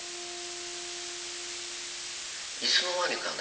いつの間にかね